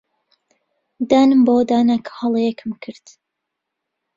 دانم بەوەدا نا کە هەڵەیەکم کرد.